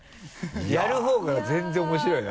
やるほうが全然面白いな。